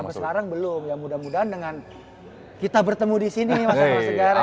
sampai sekarang belum ya mudah mudahan dengan kita bertemu di sini mas arang segar kan